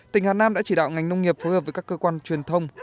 tỉnh hà nam đã chỉ đạo ngành nông nghiệp phối hợp với các cơ quan truyền thông